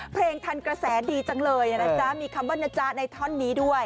ทันกระแสดีจังเลยนะจ๊ะมีคำว่านะจ๊ะในท่อนนี้ด้วย